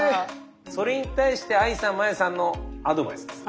それに対してＡＩさん真矢さんのアドバイスです。